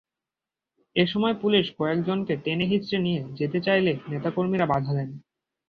এ সময় পুলিশ কয়েকজনকে টেনেহিঁচড়ে নিয়ে যেতে চাইলে নেতা কর্মীরা বাধা দেন।